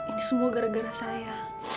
ini semua gara gara saya